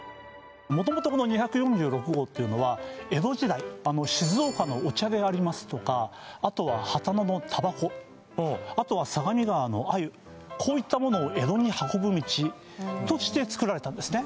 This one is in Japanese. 元々この２４６号っていうのは江戸時代静岡のお茶でありますとかあとは秦野のたばこあとは相模川の鮎こういったものを江戸に運ぶ道としてつくられたんですね